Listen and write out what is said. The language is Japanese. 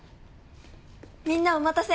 みんなお待たせ！